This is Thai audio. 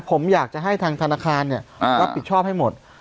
ผมอยากจะให้ทางธนาคารรับผิดชอบให้หมด